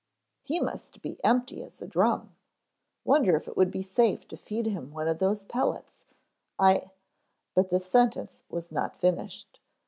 "He must be empty as a drum. Wonder if it would be safe to feed him one of those pellets I " But the sentence was not finished.